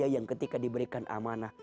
yang ketika diberikan amanah